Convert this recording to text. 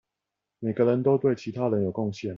每個人都對其他人有貢獻